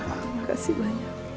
terima kasih banyak